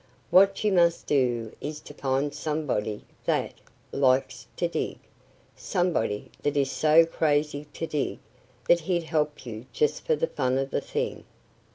What you must do is to find somebody that likes to dig somebody that is so crazy to dig that he'd help you just for the fun of the thing."